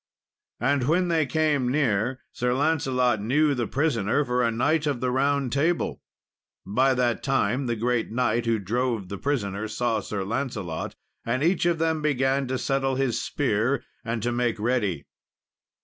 And when they came near, Sir Lancelot knew the prisoner for a knight of the Round Table. By that time, the great knight who drove the prisoner saw Sir Lancelot, and each of them began to settle his spear, and to make ready.